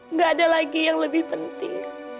nggak ada lagi yang lebih penting